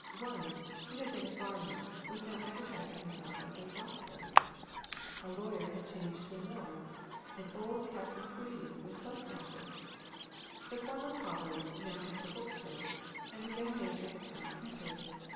One, who had been a farmer, was now advertising himself as a doctor. A lawyer had changed into a miller, and old Capt Prouty was post master. The former cobler now kept the bookstore, and the young major had turned printer.